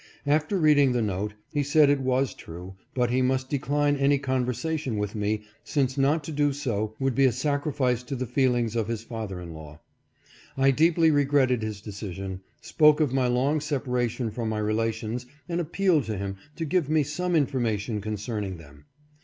After reading the note, he said it was true but he must decline any conversation with me, since not to do so would be a sacrifice to the feelings of his father in law. I deeply regretted his decision, spoke of my long separation from my relations and appealed to him to give me some information concerning them.